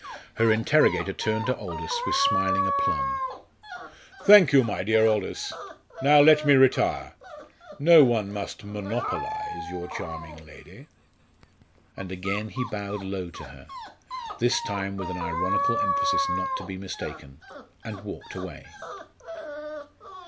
Her interrogator turned to Aldous with smiling aplomb. "Thank you, my dear Aldous. Now let me retire. No one must monopolise your charming lady." And again he bowed low to her, this time with an ironical emphasis not to be mistaken, and walked away.